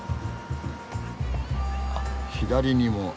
あ左にも。